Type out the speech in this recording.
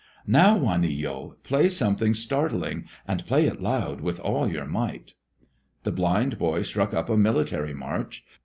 "Now, Juanillo, play something startling, and play it loud, with all your might." The blind boy struck up a military march.